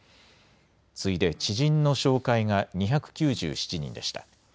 次いで知人の紹介が２９７人でした。